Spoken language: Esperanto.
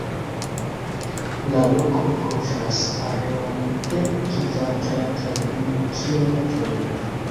La loko kovras areon de kvadrataj kilometroj.